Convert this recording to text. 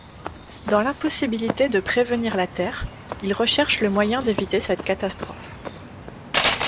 Dans l'impossibilité de prévenir la Terre, ils recherchent le moyen d'éviter cette catastrophe.